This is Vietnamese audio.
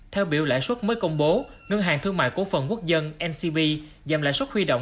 theo biểu lãi suất mới công bố ngân hàng thương mại cổ phần quốc dân ncb giảm lãi suất huy động